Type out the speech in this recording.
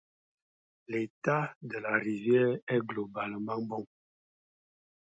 L'état de la rivière est globalement bon.